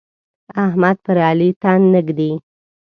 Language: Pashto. احمد پر علي تن نه ږدي.